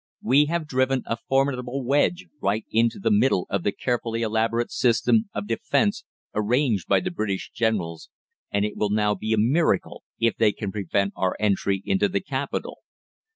We have driven a formidable wedge right into the middle of the carefully elaborated system of defence arranged by the English generals, and it will now be a miracle if they can prevent our entry into the capital.